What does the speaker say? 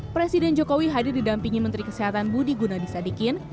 presiden jokowi hadir didampingi menteri kesehatan budi gunadisadikin